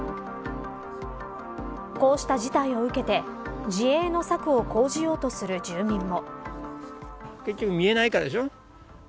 こうした事態を受けて自衛の策を講じようとする住民も。